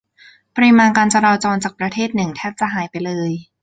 ปริมาณการจราจรจากประเทศหนึ่งแทบจะหายไปเลย